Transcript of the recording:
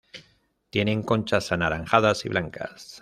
Tienen conchas anaranjadas y blancas.